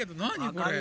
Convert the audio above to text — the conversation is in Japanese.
これ。